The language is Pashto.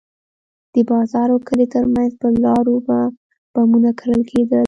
د بازار او کلي ترمنځ پر لارو به بمونه کرل کېدل.